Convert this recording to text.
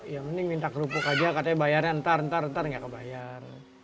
yang ini minta kerupuk aja katanya bayarnya ntar ntar gak kebayar